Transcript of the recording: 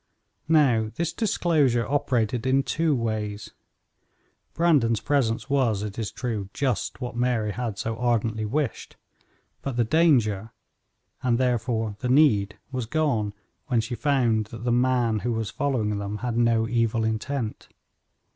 Now this disclosure operated in two ways. Brandon's presence was, it is true, just what Mary had so ardently wished, but the danger, and, therefore, the need, was gone when she found that the man who was following them had no evil intent.